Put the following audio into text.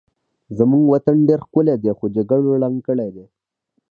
زمونږ وطن ډېر ښکلی خو جګړو ړنګ کړی